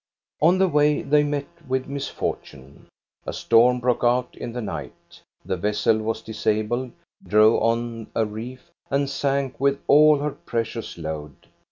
On the way they met with misfortune. A .storm broke out in the night, the vessel was disabled, drove on a reef, and sank with all her precious load.